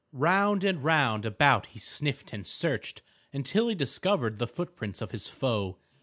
Round and round about he sniffed and searched until he discovered the footprints of his foe.